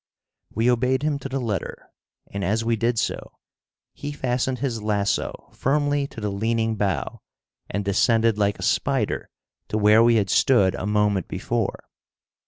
We obeyed him to the letter, and as we did so, he fastened his lasso firmly to the leaning bough and descended like a spider to where we had stood a moment before.